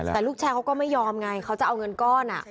แต่ลูกชายเขาก็ไม่ยอมไงเขาจะเอาเงินก้อน